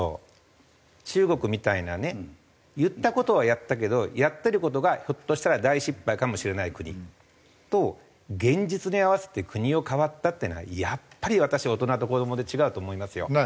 中国みたいなね言った事はやったけどやってる事がひょっとしたら大失敗かもしれない国と現実に合わせて国を変わったっていうのはやっぱり私大人と子どもで違うと思いますよ。